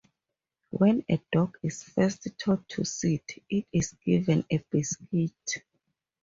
When a dog is first taught to sit, it is given a biscuit.